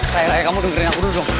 ray raya kamu tungguin aku dulu dong